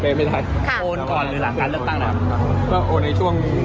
อยากวันที่ไปประเดดไม่ได้